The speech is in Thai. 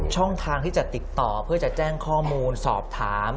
ช่องทางที่จะติดต่อเพื่อจะแจ้งข้อมูลสอบถาม